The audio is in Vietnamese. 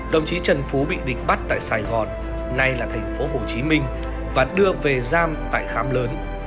đồng chí trần phú bị địch bắt tại sài gòn nay là thành phố hồ chí minh và đưa về giam tại kham lớn